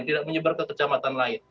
tidak menyebar ke kecamatan lain